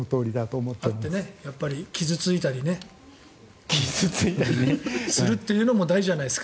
会って傷付いたりするというのも大事じゃないですか。